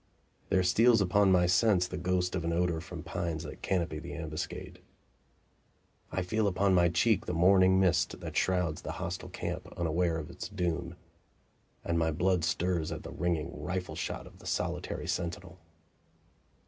There steals upon my sense the ghost of an odor from pines that canopy the ambuscade. I feel upon my cheek the morning mist that shrouds the hostile camp unaware of its doom, and my blood stirs at the ringing rifle shot of the solitary sentinel.